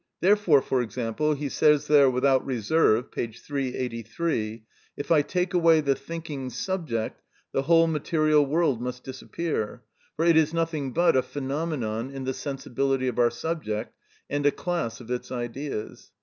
Therefore, for example, he says there without reserve (p. 383): "If I take away the thinking subject, the whole material world must disappear, for it is nothing but a phenomenon in the sensibility of our subject, and a class of its ideas."